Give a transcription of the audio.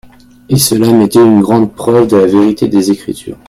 Et cela m’était une grande preuve de la vérité des Écritures.